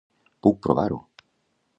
Puc provar-ho.